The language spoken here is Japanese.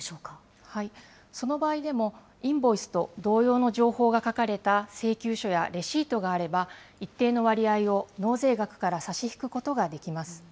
その場合でも、インボイスと同様の情報が書かれた請求書やレシートがあれば、一定の割合を納税額から差し引くことができます。